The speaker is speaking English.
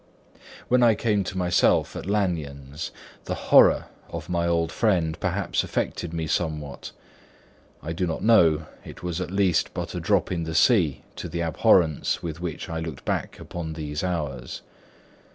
When I came to myself at Lanyon's, the horror of my old friend perhaps affected me somewhat: I do not know; it was at least but a drop in the sea to the abhorrence with which I looked back upon these hours.